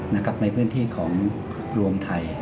ยาวแฝกในพื้นที่ของรวมไทย